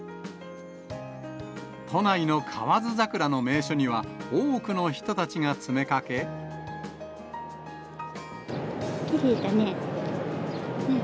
都内の河津桜の名所には、きれいだね。